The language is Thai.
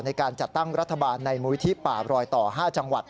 ในการจัดตั้งรัฐบาลในมูลนิธิป่ารอยต่อ๕จังหวัด